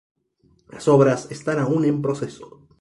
Las obras están aún en proceso.